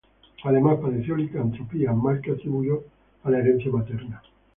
Además, padeció licantropía, mal que atribuyó a la herencia materna.